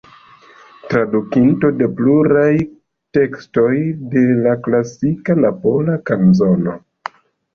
Tradukinto de pluraj tekstoj de la klasika Napola kanzono.